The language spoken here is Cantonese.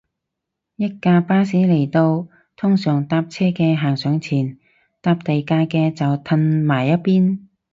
一架巴士嚟到，通常搭車嘅行上前，搭第架嘅就褪埋一邊